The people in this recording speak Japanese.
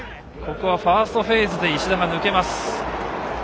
ファーストフェーズで石田が抜けます。